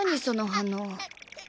その反応。